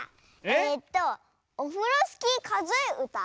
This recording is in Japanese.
えっと「オフロスキーかぞえうた」？